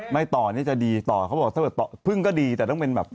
ต่อนี่จะดีต่อเขาบอกถ้าเกิดต่อพึ่งก็ดีแต่ต้องเป็นแบบ